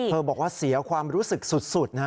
บอกว่าเสียความรู้สึกสุด